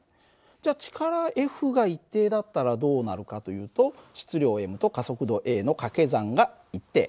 じゃ力Ｆが一定だったらどうなるかというと質量ｍと加速度ａの掛け算が一定。